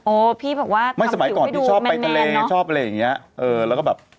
โอ้พี่บอกว่าทำผิวให้ดูแมนเนอะไม่สมัยก่อนพี่ชอบไปทะเลชอบไปอะไรอย่างนี้เออแล้วก็แบบ